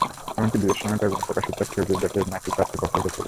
এমনকি বিয়ের সময় বেগমে প্রকাশিত ছবি দেখেই নাকি পাত্রপক্ষ দেখতে এসেছিলেন।